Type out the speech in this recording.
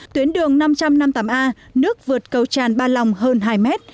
tuyến đường năm trăm năm mươi tám a nước vượt cầu tràn ba lòng hơn hai mét